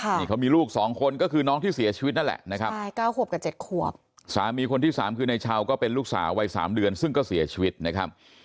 นี่เขามีลูกสองคนก็คือน้องที่เสียชีวิตนั่นแหละสามีคนที่สามคือในชาวก็เป็นลูกสาววัยสามเดือนซึ่งก็เสียชีวิตนะครับ